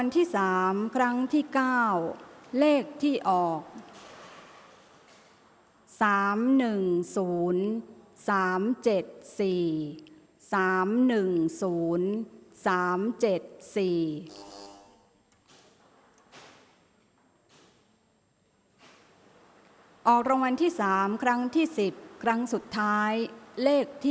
ทมกลิ่นภารกาล